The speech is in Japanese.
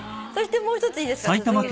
もう１ついいですか続けて。